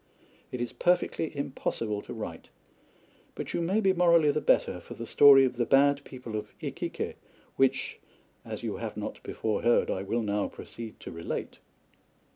It is perfectly impossible to write, but you may be morally the better for the story of the Bad People of Iquique which, "as you have not before heard, I will now proceed to relate."